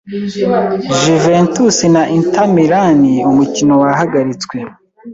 Juventus Na Inter Milan, umukino wahagaritswe